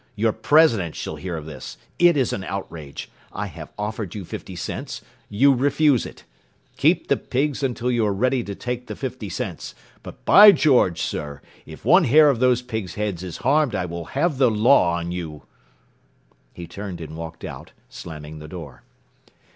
Your president shall hear of this! It is an outrage! I have offered you fifty cents. You refuse it! Keep the pigs until you are ready to take the fifty cents, but, by George, sir, if one hair of those pigs' heads is harmed I will have the law on you!” He turned and stalked out, slamming the door.